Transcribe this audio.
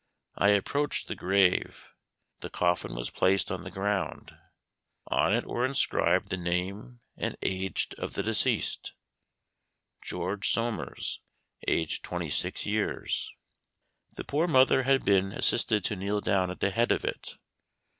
I approached the grave. The coffin was placed on the ground. On it were inscribed the name and age of the deceased "George Somers, aged 26 years." The poor mother had been assisted to kneel down at the head of it.